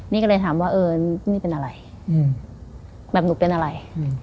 นี่ก็เลยถามว่าเออนี่เป็นอะไรแบบหนูเป็นอะไร